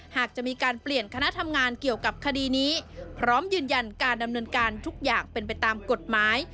หากจะมีการเปลี่ยนคณะทำงานเกี่ยวกับคดีนี้พร้อมยืนยันการดำเนินการทุกอย่างเป็นไปตามกฎหมาย